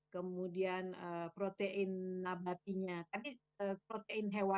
selanjutnya utama yang terakhir kita akan tanyakan karbohidrat merasa berasal dari ke chan